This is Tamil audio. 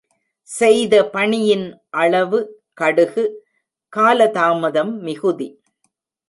செய்த பணியின் அளவு கடுகு, கால தாமதம் மிகுதி.